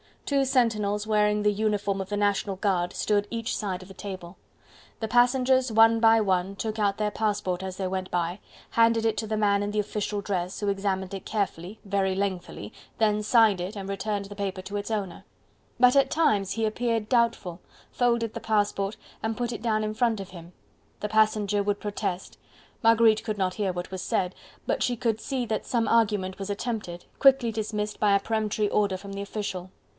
Two sentinels wearing the uniform of the National Guard stood each side of the table. The passengers one by one took out their passport as they went by, handed it to the man in the official dress, who examined it carefully, very lengthily, then signed it and returned the paper to its owner: but at times, he appeared doubtful, folded the passport and put it down in front of him: the passenger would protest; Marguerite could not hear what was said, but she could see that some argument was attempted, quickly dismissed by a peremptory order from the official.